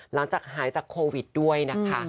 หลังจากหายจากโควิดด้วยนะคะ